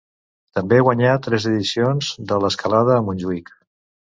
També guanyà tres edicions de l'Escalada a Montjuïc.